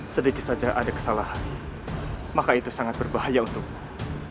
sedikit saja ada kesalahan maka itu sangat berbahaya untukmu